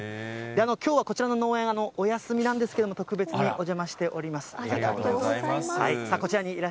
きょうはこちらの農園、お休みなんですけれども、特別にお邪魔しております。